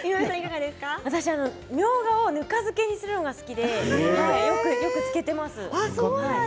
私はみょうがをぬか漬けにするのが好きでよく漬けています。